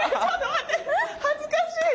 恥ずかしい！